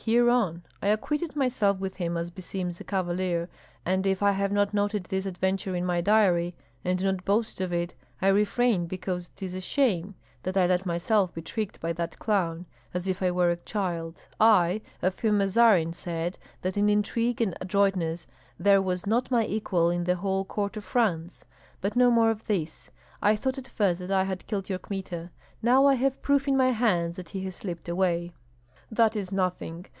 Hear on. I acquitted myself with him as beseems a cavalier, and if I have not noted this adventure in my diary, and do not boast of it, I refrain because 'tis a shame that I let myself be tricked by that clown, as if I were a child, I, of whom Mazarin said that in intrigue and adroitness there was not my equal in the whole court of France. But no more of this! I thought at first that I had killed your Kmita; now I have proof in my hands that he has slipped away." "That is nothing!